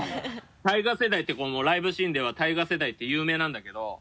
「ＴＡＩＧＡ世代」ってライブシーンでは「ＴＡＩＧＡ世代」って有名なんだけど。